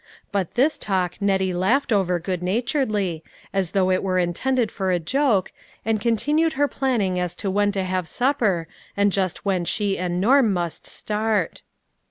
But this talk Nettie laughed over good naturedly, as though it were intended for a joke, and continued her planning as to when to have supper, and just when she and Norm must start.